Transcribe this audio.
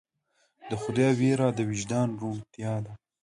د خدای ویره د وجدان روڼتیا ده.